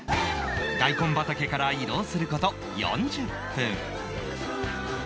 大根畑から移動する事４０分